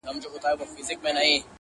په زړو کفن کښانو پسي ژاړو -